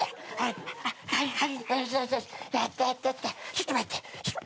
ちょっと待って。